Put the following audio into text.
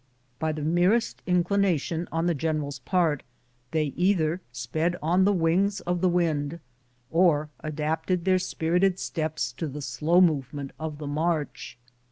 By the merest inclination on the general's part, they either sped on the wings of the wind or adapted their spirited steps to the slow move ment of the march.